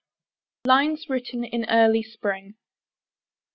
LINES WRITTEN IN EARLY SPRING.